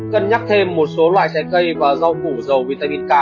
cân nhắc thêm một số loại trái cây và rau củ dầu vitamin k